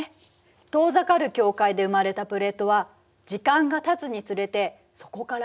遠ざかる境界で生まれたプレートは時間がたつにつれてそこから離れていくの。